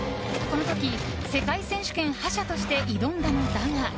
この時、世界選手権覇者として挑んだのだが。